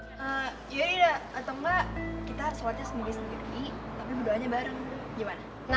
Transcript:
yaudah atau enggak kita sholatnya sendiri sendiri tapi berdoanya bareng gitu gimana